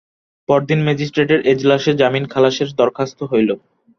পরদিন ম্যাজিস্ট্রেটের এজলাসে জামিন-খালাসের দরখাস্ত হইল।